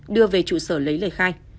đưa về trụ sở lấy lời khai